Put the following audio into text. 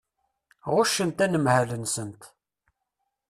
Ɣuccent anemhal-nsent.